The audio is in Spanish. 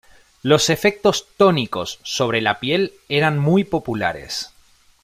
Los efectos tónicos sobre la piel eran muy populares.